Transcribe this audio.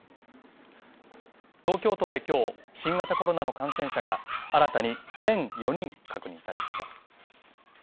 東京都で今日、新型コロナの感染者が新たに１００４人確認されました。